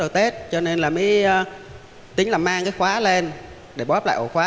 tết cho nên là mới tính là mang cái khóa lên để bóp lại ổ khóa